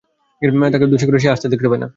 তাকে উদ্দেশ্য করে কেউ আসতে সে দেখতে পায় না।